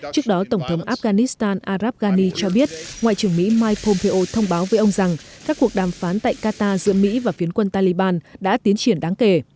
trước đó tổng thống afghanistan arab ghani cho biết ngoại trưởng mỹ mike pompeo thông báo với ông rằng các cuộc đàm phán tại qatar giữa mỹ và phiến quân taliban đã tiến triển đáng kể